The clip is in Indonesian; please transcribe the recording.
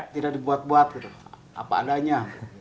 tidak dibuat buat gitu apa adanya